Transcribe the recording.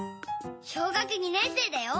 小学２年生だよ。